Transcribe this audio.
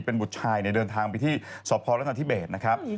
เป็นบุตรชายในเดินทางไปที่สลทเบศนะครับ